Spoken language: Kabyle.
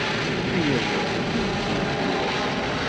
Ay awal iwzil tura.